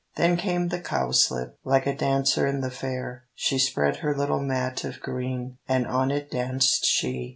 Then came the cowslip, Like a dancer in the fair, She spread her little mat of green, And on it danced she.